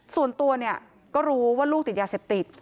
ส่วนตัวเนี่ยก็รู้ว่าลูกติดยาเสพติด